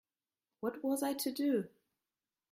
What was I to do?